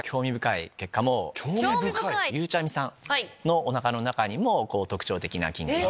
ゆうちゃみさんのおなかの中にも特徴的な菌が。